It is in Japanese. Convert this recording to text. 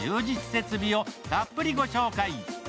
設備をたっぷりご紹介。